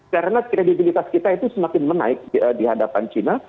karena kredibilitas kita itu semakin menaik di hadapan cina